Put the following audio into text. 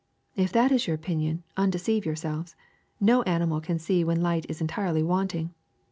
If that is your opinion, undeceive yourselves ; no ani mal can see when light is entirely wanting.